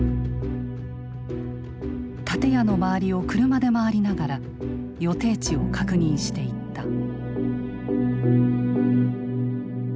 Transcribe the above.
建屋の周りを車で回りながら予定地を確認していった。